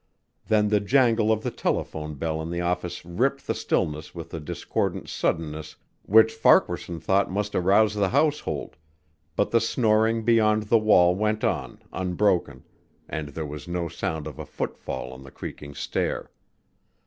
Then the jangle of the telephone bell in the office ripped the stillness with a discordant suddenness which Farquaharson thought must arouse the household, but the snoring beyond the wall went on, unbroken, and there was no sound of a footfall on the creaking stair.